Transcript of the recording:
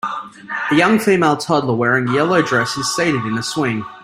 A young female toddler wearing a yellow dress is seated in a swing.